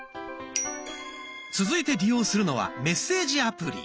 続いて利用するのはメッセージアプリ。